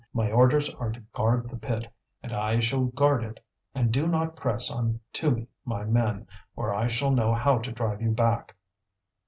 My orders are to guard the pit, and I shall guard it. And do not press on to my men, or I shall know how to drive you back."